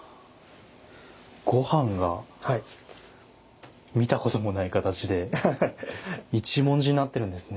ご飯が見たこともない形で一文字になってるんですね。